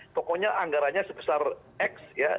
pokoknya anggarannya sebesar x ya